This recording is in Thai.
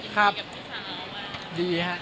ครับดีฮะอย่างน้อย